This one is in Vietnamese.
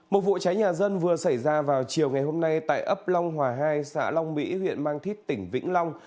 một vụ cháy nhà dân vừa xảy ra vào chiều ngày hôm nay tại ấp long hòa hai xã long mỹ huyện mang thít tỉnh vĩnh long